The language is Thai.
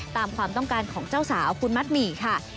ตามความต้องการของเจ้าสาวคุณมัดหมี่ค่ะ